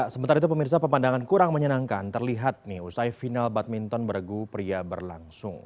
sementara itu pemirsa pemandangan kurang menyenangkan terlihat nih usai final badminton bergu pria berlangsung